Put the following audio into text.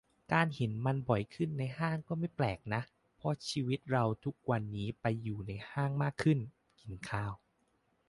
การเห็นมันบ่อยขึ้นในห้างก็ "ไม่แปลก" นะ เพราะชีวิตเราทุกวันนี้ไปอยู่ในห้างมากขึ้น กินข้าว